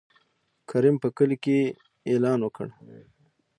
کريم په کلي کې يې اعلان وکړ.